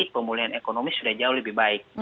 pemulihan ekonomi sudah jauh lebih baik